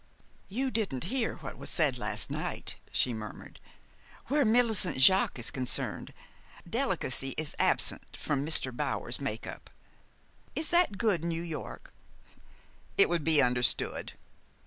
"You didn't hear what was said last night," she murmured. "Where Millicent Jaques is concerned, delicacy is absent from Mr. Bower's make up is that good New York?" "It would be understood."